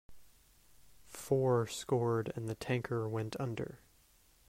Four scored and the tanker went under.